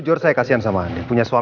lobi pelitanusa sekarang